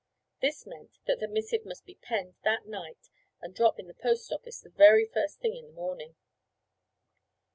This meant that the missive must be penned that night and dropped in the post office the very first thing in the morning.